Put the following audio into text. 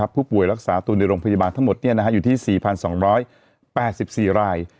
ผู้ป่วยรักษาตัวในโรงพยาบาลทั้งหมดอยู่ที่๔๒๘๔ราย